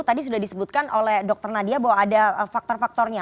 tadi sudah disebutkan oleh dr nadia bahwa ada faktor faktornya